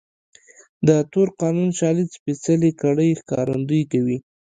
د تور قانون شالید سپېڅلې کړۍ ښکارندويي کوي.